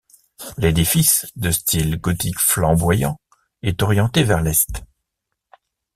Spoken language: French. L'édifice, de style gothique flamboyant, est orienté vers l'Est.